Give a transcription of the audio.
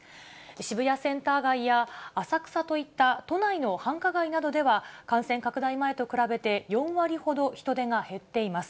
渋谷センター街や浅草といった都内の繁華街などでは、感染拡大前と比べて４割ほど人出が減っています。